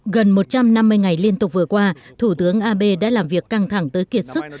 gần một trăm năm mươi ngày liên tục vừa qua thủ tướng abe đã làm việc căng thẳng tới kiệt sức